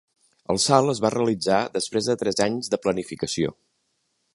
El salt es va realitzar després de tres anys de planificació.